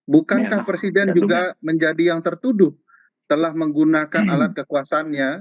bukankah presiden juga menjadi yang tertuduh telah menggunakan alat kekuasaannya